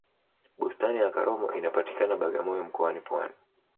bustani ya karomo inapatikana bagamoyo mkoani pwani